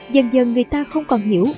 dần dần người ta không còn hiểu